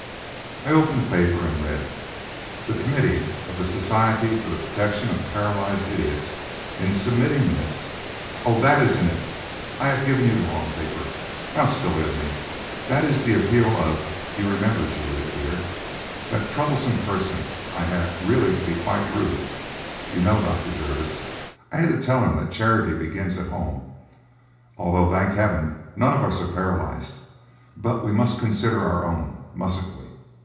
I opened the paper and read: "The Committee of the Society for the Protection of Paralysed Idiots, in submitting this " "Oh! that isn't it; I have given you the wrong paper. How silly of me! That is the appeal of you remember, Juliet, dear, that troublesome person I had, really, to be quite rude, you know, Dr. Jervis; I had to tell him that charity begins at home, although, thank Heaven! none of us are paralysed, but we must consider our own, mustn't we?